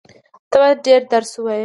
ته بايد ډېر درس ووایې.